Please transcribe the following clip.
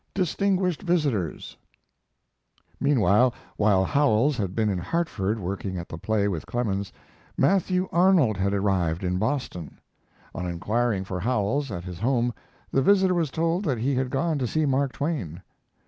DISTINGUISHED VISITORS Meantime, while Howells had been in Hartford working at the play with Clemens, Matthew Arnold had arrived in Boston. On inquiring for Howells, at his home, the visitor was told that he had gone to see Mark Twain.